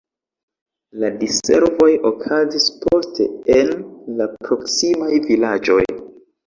La diservoj okazis poste en la proksimaj vilaĝoj.